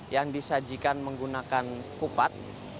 yang disajikan menggunakan kupat